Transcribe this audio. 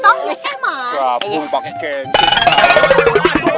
aduh aduh aduh aduh